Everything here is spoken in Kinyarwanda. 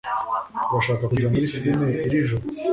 Urashaka kujya muri firime iri joro?